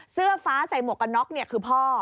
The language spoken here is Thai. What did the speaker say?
เสื้อฟ้าใส่หมวกกับน็อกคือพ่อ